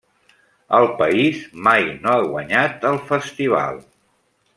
El país mai no ha guanyat el Festival.